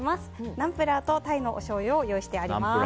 ナンプラーとタイのおしょうゆを用意してあります。